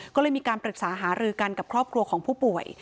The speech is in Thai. ก็เลยมีการปรึกษาหารือกันกับครอบครัวของผู้ป่วย